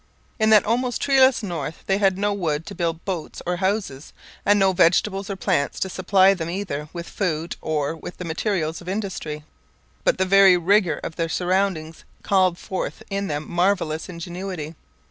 In that almost treeless north they had no wood to build boats or houses, and no vegetables or plants to supply them either with food or with the materials of industry. But the very rigour of their surroundings called forth in them a marvellous ingenuity.